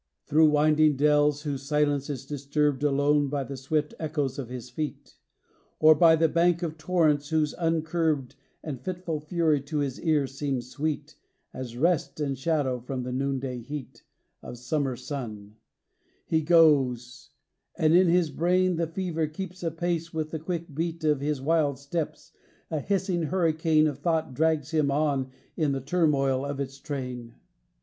12 CHRISTMAS EVE. XVIII. Thro' winding dells whose silence is disturbed Alone by the swift echoes of his feet; Or, by the bank of torrents whose uncurbed And fitful fury to his ear seems sweet As rest and shadow from the noon day heat Of summer sun, he goes; and in his brain The fever keeps apace with the quick beat Of his wild steps, A hissing hurricane Of tho't drags him on in the turmoil of its train.